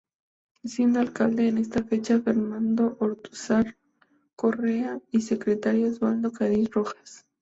Siendo Alcalde en esa fecha, Fernando Ortúzar Correa y Secretario, Osvaldo Cádiz Rojas.